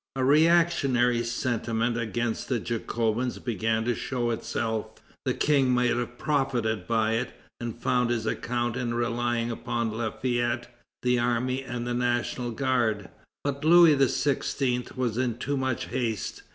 A reactionary sentiment against the Jacobins began to show itself. The King might have profited by it, and found his account in relying upon Lafayette, the army, and the National Guard. But Louis XVI. was in too much haste.